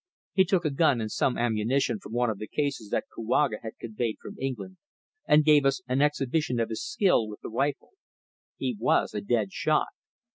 He took a gun and some ammunition from one of the cases that Kouaga had conveyed from England and gave us an exhibition of his skill with the rifle. He was a dead shot.